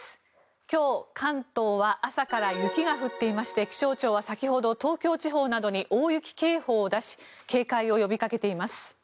今日、関東は朝から雪が降っていまして気象庁は先ほど東京地方などに大雪警報を出し警戒を呼びかけています。